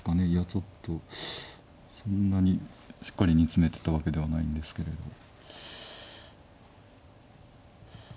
いやちょっとそんなにしっかり煮詰めてたわけではないんですけれど。